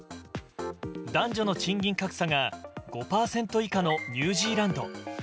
男女の賃金格差が５％以下のニュージーランド。